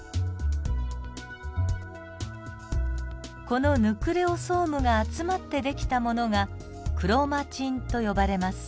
このヌクレオソームが集まって出来たものがクロマチンと呼ばれます。